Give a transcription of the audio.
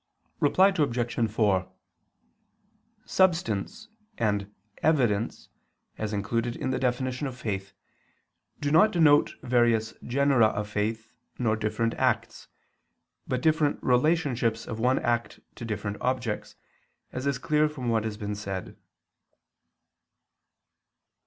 Reply Obj. 4: "Substance" and "evidence" as included in the definition of faith, do not denote various genera of faith, nor different acts, but different relationships of one act to different objects, as is clear from what has been said.